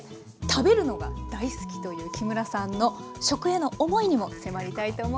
食べるのが大好きという木村さんの食への思いにも迫りたいと思います。